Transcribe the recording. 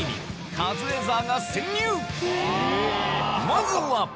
まずは！